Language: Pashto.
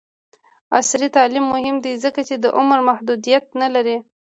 عصري تعلیم مهم دی ځکه چې د عمر محدودیت نه لري.